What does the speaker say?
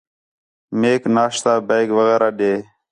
میک ناشتہ بیگ وغیرہ ݙے